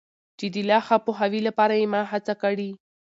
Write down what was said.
چي د لا ښه پوهاوي لپاره یې ما هڅه کړي.